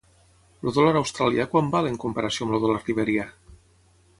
El dòlar australià quant val en comparació amb el dòlar liberià?